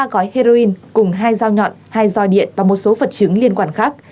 cùng hai dao nhọn hai dò điện và một số vật chứng liên quan khác